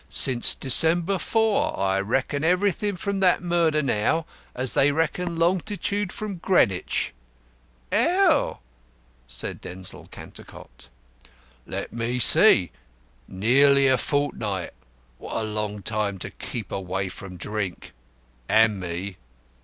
Since December 4. I reckon everything from that murder, now, as they reckon longitude from Greenwich." "Oh," said Denzil Cantercot. "Let me see. Nearly a fortnight. What a long time to keep away from Drink and Me."